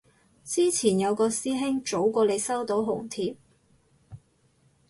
之前有個師兄早過你收到紅帖